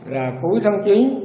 là cuối tháng chín